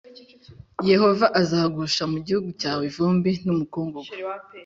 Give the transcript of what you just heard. yehova azagusha mu gihugu cyawe ivumbi n’umukungugu